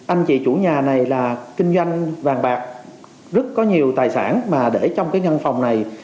anh chị chủ nhà này là kinh doanh vàng bạc rất có nhiều tài sản mà để trong cái nhân phòng này